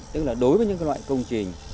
tức là đối với những loại công trình